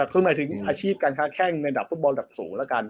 คือมาถึงอาชีพการค้าแข้งในดับฟุตบอลดับสูง